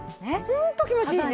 ホント気持ちいいね。